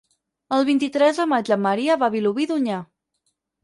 El vint-i-tres de maig en Maria va a Vilobí d'Onyar.